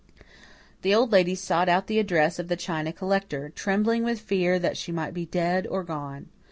The Old Lady sought out the address of the china collector, trembling with fear that she might be dead or gone.